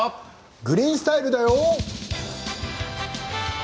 「グリーンスタイル」だよ。